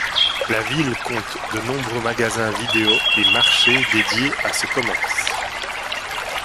La ville compte de nombreux magasins vidéo et marchés dédiés à ce commerce.